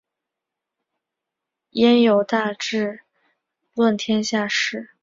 焉有大智论天下事！